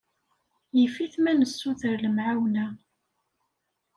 Yif-it ma nessuter lemɛawna.